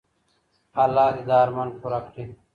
الله دې دا ارمان پوره کړي.